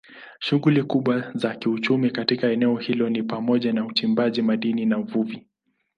Shughuli kubwa za kiuchumi katika eneo hilo ni pamoja na uchimbaji madini na uvuvi.